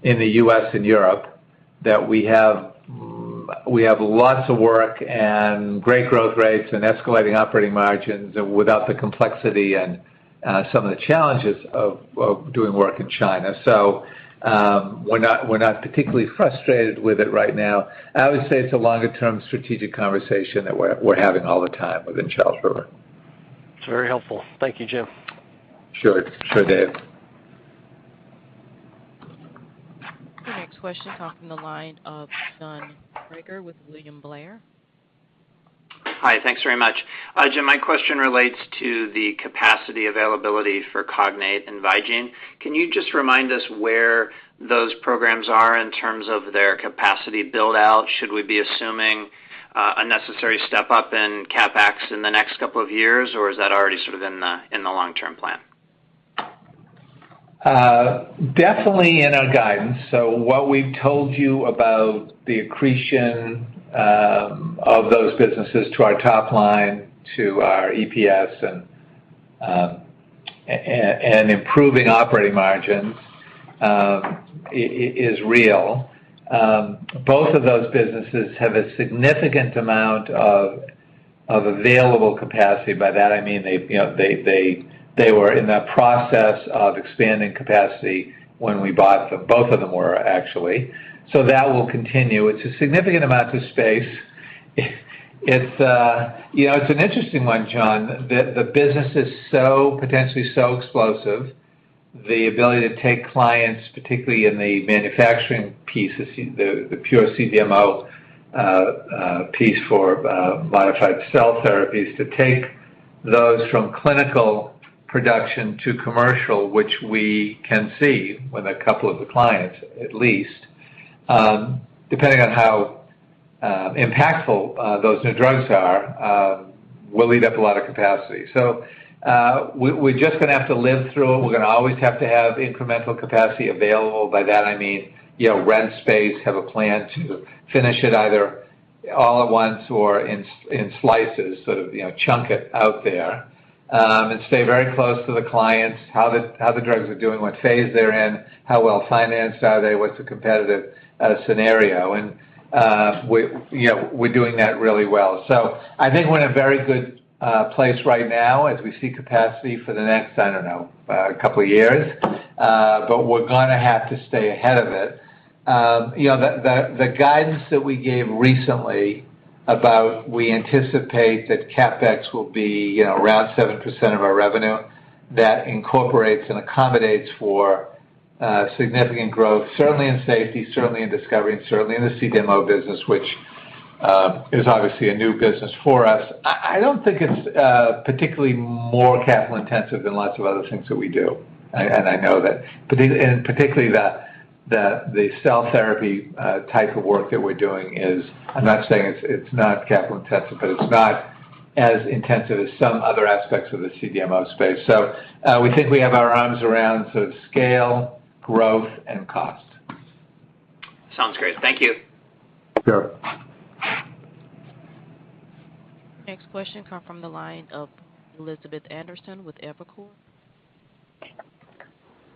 in the U.S. and Europe, that we have lots of work and great growth rates and escalating operating margins and without the complexity and some of the challenges of doing work in China. We're not particularly frustrated with it right now. I would say it's a longer-term strategic conversation that we're having all the time within Charles River. It's very helpful. Thank you, Jim. Sure. Sure, Dave. The next question comes from the line of John Kreger with William Blair. Hi, thanks very much. Jim, my question relates to the capacity availability for Cognate and Vigene. Can you just remind us where those programs are in terms of their capacity build-out? Should we be assuming a necessary step up in CapEx in the next couple of years, or is that already sort of in the long-term plan? Definitely in our guidance. What we've told you about the accretion of those businesses to our top line, to our EPS, and improving operating margins, is real. Both of those businesses have a significant amount of available capacity. By that I mean they were in the process of expanding capacity when we bought them. Both of them were, actually. That will continue. It's a significant amount of space. It's an interesting one, John. The business is potentially so explosive. The ability to take clients, particularly in the manufacturing piece, the pure CDMO piece for biotype cell therapies, to take those from clinical production to commercial, which we can see with a couple of the clients, at least, depending on how impactful those new drugs are, will eat up a lot of capacity. We're just going to have to live through it. We're going to always have to have incremental capacity available. By that I mean, rent space, have a plan to finish it either all at once or in slices, sort of chunk it out there, and stay very close to the clients, how the drugs are doing, what phase they're in, how well-financed are they, what's the competitive scenario, and we're doing that really well. I think we're in a very good place right now as we see capacity for the next, I don't know, couple years. We're going to have to stay ahead of it. The guidance that we gave recently about we anticipate that CapEx will be around 7% of our revenue, that incorporates and accommodates for significant growth, certainly in safety, certainly in discovery, and certainly in the CDMO business, which is obviously a new business for us. I don't think it's particularly more capital-intensive than lots of other things that we do. I know that particularly the cell therapy type of work that we're doing is, I'm not saying it's not capital intensive, but it's not as intensive as some other aspects of the CDMO space. We think we have our arms around sort of scale, growth, and cost. Sounds great. Thank you. Sure. Next question come from the line of Elizabeth Anderson with Evercore.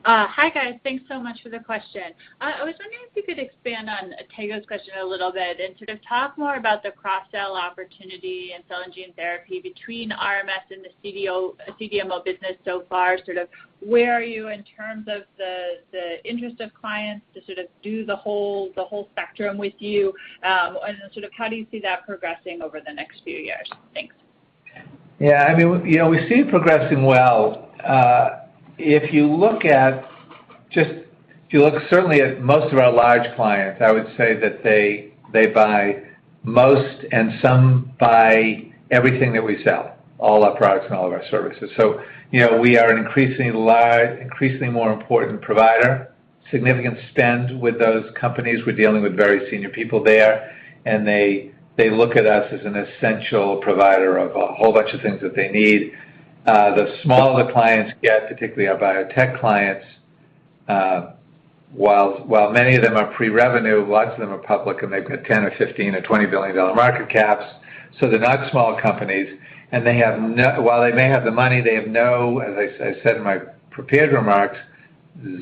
Hi, guys. Thanks so much for the question. I was wondering if you could expand on Tycho Peterson's question a little bit and sort of talk more about the cross-sell opportunity in cell and gene therapy between RMS and the CDMO business so far, sort of where are you in terms of the interest of clients to sort of do the whole spectrum with you? Sort of how do you see that progressing over the next few years? Thanks. Yeah. We see it progressing well. If you look certainly at most of our large clients, I would say that they buy most and some buy everything that we sell, all our products and all of our services. We are an increasingly more important provider, significant spend with those companies. We are dealing with very senior people there, and they look at us as an essential provider of a whole bunch of things that they need. The smaller the clients get, particularly our biotech clients, while many of them are pre-revenue, lots of them are public, and they've got $10 billion or $15 billion or $20 billion market caps, so they're not small companies. While they may have the money, they have no, as I said in my prepared remarks,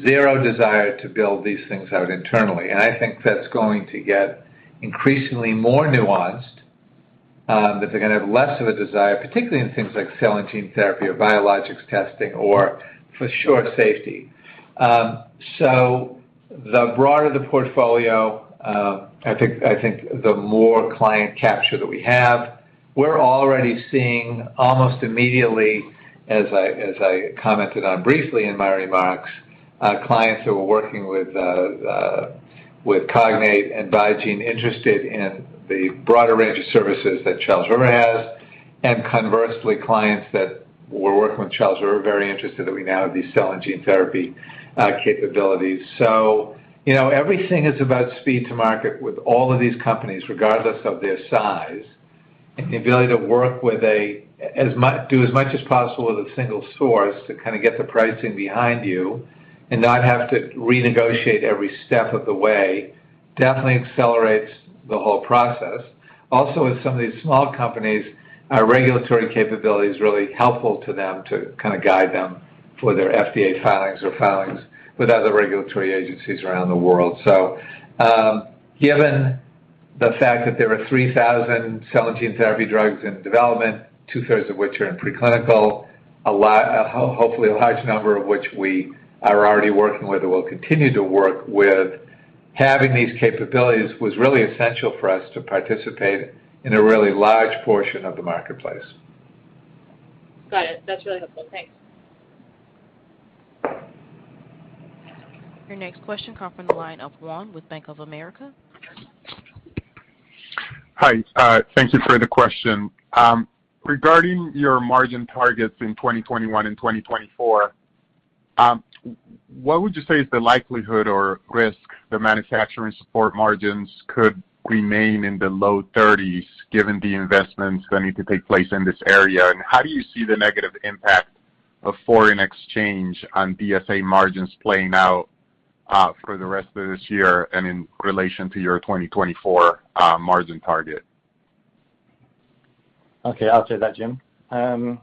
zero desire to build these things out internally. I think that's going to get increasingly more nuanced. That they're going to have less of a desire, particularly in things like cell and gene therapy or biologics testing or for sure, safety. The broader the portfolio, I think the more client capture that we have. We're already seeing almost immediately, as I commented on briefly in my remarks, clients who are working with Cognate and Vigene interested in the broader range of services that Charles River has, and conversely, clients that were working with Charles River, very interested that we now have these cell and gene therapy capabilities. Everything is about speed to market with all of these companies, regardless of their size. The ability to do as much as possible with a single source to get the pricing behind you and not have to renegotiate every step of the way, definitely accelerates the whole process. With some of these small companies, our regulatory capability is really helpful to them to guide them for their FDA filings or filings with other regulatory agencies around the world. Given the fact that there are 3,000 cell and gene therapy drugs in development, two-thirds of which are in preclinical, hopefully a large number of which we are already working with or will continue to work with. Having these capabilities was really essential for us to participate in a really large portion of the marketplace. Got it. That's really helpful. Thanks. Your next question come from the line of Juan with Bank of America. Hi. Thank you for the question. Regarding your margin targets in 2021 and 2024, what would you say is the likelihood or risk that manufacturing support margins could remain in the low 30s given the investments that need to take place in this area? How do you see the negative impact of foreign exchange on DSA margins playing out for the rest of this year and in relation to your 2024 margin target? Okay, I'll take that, Jim. Yeah.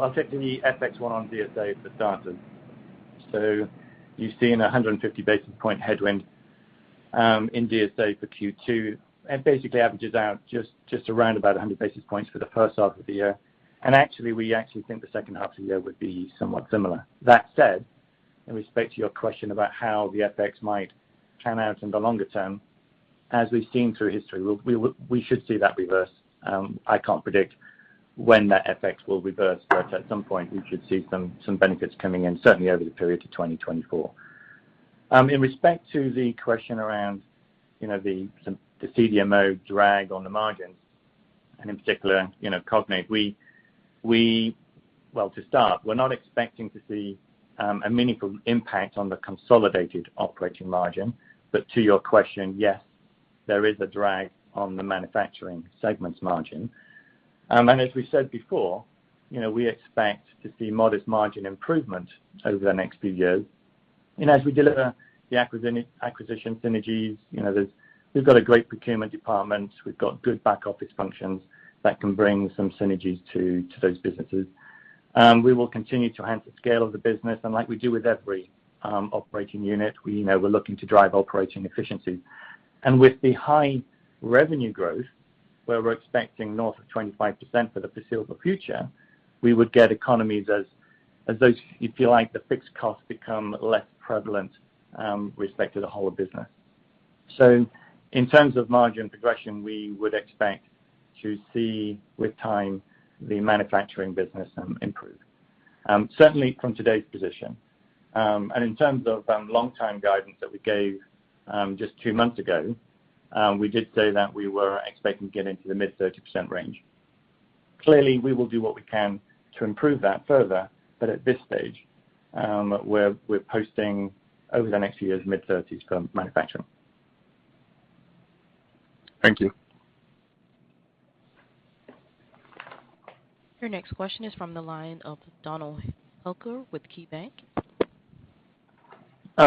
I'll take the FX one on DSA for starters. You've seen 150 basis point headwind in DSA for Q2, and basically averages out just around about 100 basis points for the first half of the year. Actually, we actually think the second half of the year would be somewhat similar. That said, in respect to your question about how the FX might pan out in the longer term, as we've seen through history, we should see that reverse. I can't predict when that FX will reverse, but at some point we should see some benefits coming in, certainly over the period to 2024. In respect to the question around the CDMO drag on the margins, and in particular, Cognate, well, to start, we're not expecting to see a meaningful impact on the consolidated operating margin. To your question, yes, there is a drag on the manufacturing segment's margin. As we said before, we expect to see modest margin improvement over the next few years. As we deliver the acquisition synergies, we've got a great procurement department, we've got good back office functions that can bring some synergies to those businesses. We will continue to enhance the scale of the business, and like we do with every operating unit, we're looking to drive operating efficiency. With the high revenue growth, where we're expecting north of 25% for the foreseeable future, we would get economies as those, if you like, the fixed costs become less prevalent with respect to the whole business. In terms of margin progression, we would expect to see with time the manufacturing business improve. Certainly from today's position. In terms of long-time guidance that we gave just two months ago, we did say that we were expecting getting to the mid-30% range. Clearly, we will do what we can to improve that further. At this stage, we're posting over the next few years mid-30s for manufacturing. Thank you. Your next question is from the line of Donald Hooker with KeyBanc.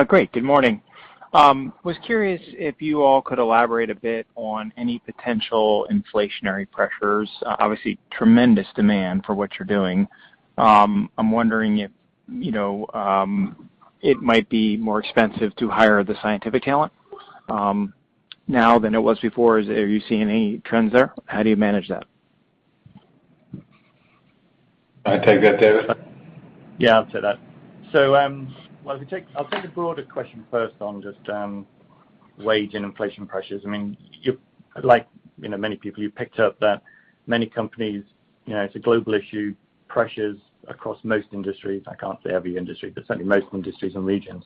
Great. Good morning. I was curious if you all could elaborate a bit on any potential inflationary pressures? Obviously, tremendous demand for what you're doing. I'm wondering if it might be more expensive to hire the scientific talent now than it was before. Are you seeing any trends there? How do you manage that? You want to take that, David? Yeah, I'll take that. I'll take the broader question first on just wage and inflation pressures. Like many people, you picked up that many companies, it's a global issue, pressures across most industries. I can't say every industry, but certainly most industries and regions.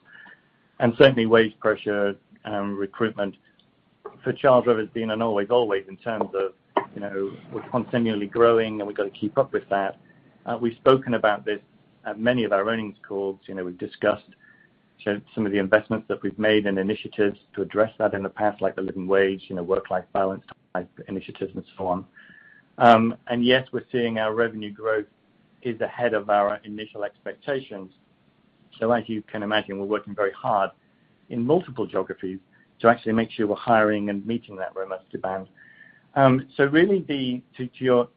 Certainly wage pressure and recruitment for Charles River has been an always in terms of we're continually growing and we've got to keep up with that. We've spoken about this at many of our earnings calls. We've discussed some of the investments that we've made and initiatives to address that in the past, like the living wage, work-life balance initiatives and so on. Yes, we're seeing our revenue growth is ahead of our initial expectations. As you can imagine, we're working very hard in multiple geographies to actually make sure we're hiring and meeting that remote demand. Really to your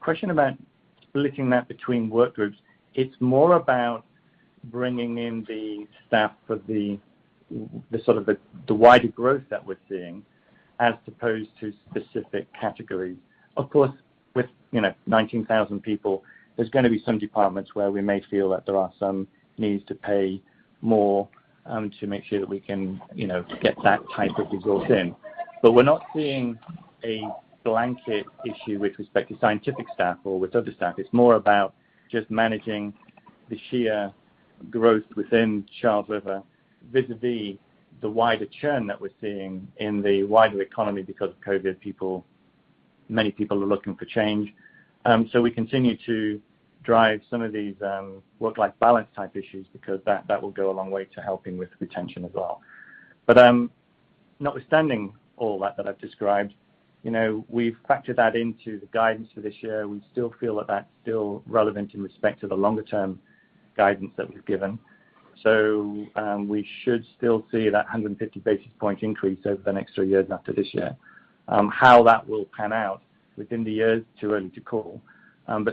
question about splitting that between work groups, it's more about bringing in the staff for the wider growth that we're seeing as opposed to specific categories. Of course, with 19,000 people, there's going to be some departments where we may feel that there are some needs to pay more to make sure that we can get that type of resource in. We're not seeing a blanket issue with respect to scientific staff or with other staff. It's more about just managing the sheer growth within Charles River vis-a-vis the wider churn that we're seeing in the wider economy because of COVID. Many people are looking for change. We continue to drive some of these work-life balance type issues because that will go a long way to helping with retention as well. Notwithstanding all that that I've described, we've factored that into the guidance for this year. We still feel that's still relevant in respect to the longer-term guidance that we've given. We should still see that 150 basis points increase over the next three years after this year. How that will pan out within the year is too early to call.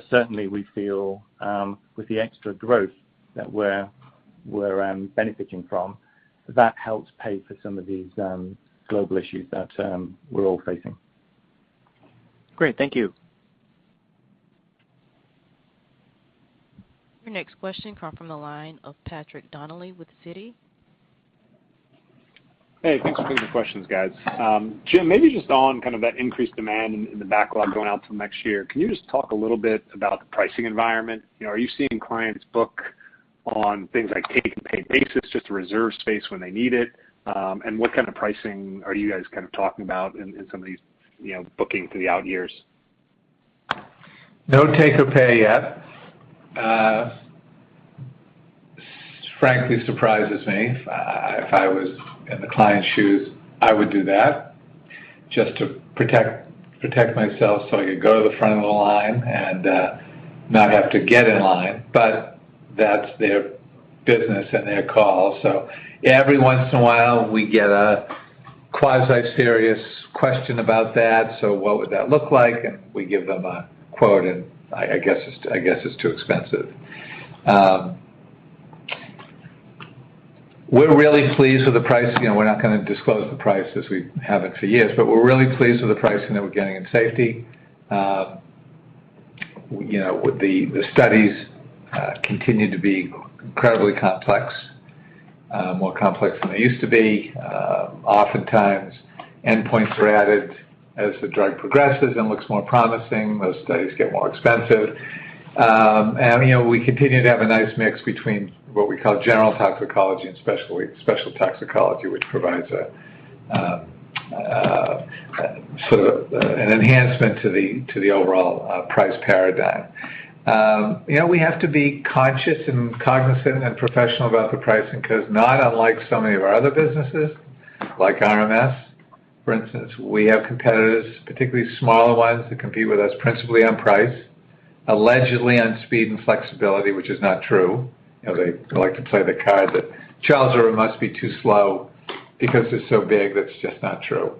Certainly, we feel with the extra growth that we're benefiting from, that helps pay for some of these global issues that we're all facing. Great. Thank you. Your next question comes from the line of Patrick Donnelly with Citi. Hey, thanks for taking the questions, guys. Jim, maybe just on that increased demand in the backlog going out to next year, can you just talk a little bit about the pricing environment? Are you seeing clients book on things like take-pay basis just to reserve space when they need it? What kind of pricing are you guys talking about in some of these booking for the out years? No take or pay yet. Frankly, surprises me. If I was in the client's shoes, I would do that just to protect myself so I could go to the front of the line and not have to get in line. That's their business and their call. Every once in a while, we get a quasi-serious question about that. What would that look like? We give them a quote, I guess it's too expensive. We're really pleased with the price. We're not going to disclose the price as we haven't for years, we're really pleased with the pricing that we're getting in safety. The studies continue to be incredibly complex, more complex than they used to be. Oftentimes, endpoints are added as the drug progresses and looks more promising. Those studies get more expensive. We continue to have a nice mix between what we call general toxicology and special toxicology, which provides an enhancement to the overall price paradigm. We have to be conscious and cognizant and professional about the pricing because not unlike so many of our other businesses, like RMS, for instance, we have competitors, particularly smaller ones, that compete with us principally on price, allegedly on speed and flexibility, which is not true. They like to play the card that Charles River must be too slow because it's so big. That's just not true.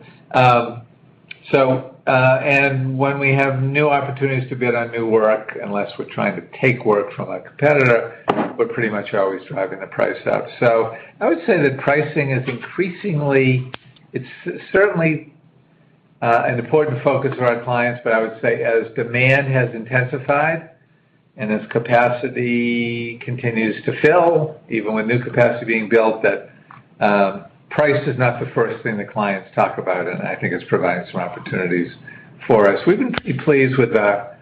When we have new opportunities to bid on new work, unless we're trying to take work from a competitor, we're pretty much always driving the price up. I would say that pricing is certainly an important focus for our clients. I would say as demand has intensified and as capacity continues to fill, even with new capacity being built, that price is not the first thing the clients talk about, and I think it's provided some opportunities for us. We've been pretty pleased with the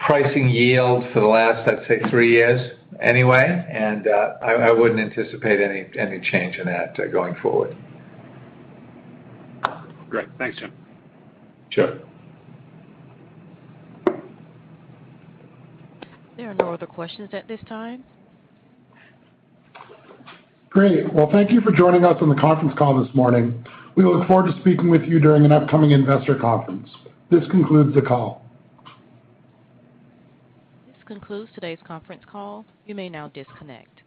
pricing yield for the last, I'd say, three years anyway, and I wouldn't anticipate any change in that going forward. Great. Thanks, Jim. Sure. There are no other questions at this time. Great. Well, thank you for joining us on the conference call this morning. We look forward to speaking with you during an upcoming investor conference. This concludes the call. This concludes today's conference call. You may now disconnect.